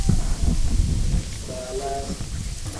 Baalasi.